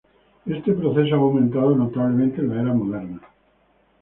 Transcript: Este proceso ha aumentado notablemente en la era moderna.